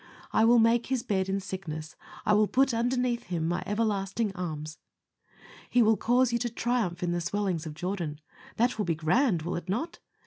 "I will make his bed in sickness. I will put underneath Him my everlasting arms." He will cause you to triumph in the swellings of Jordan. That will be grand, will it not?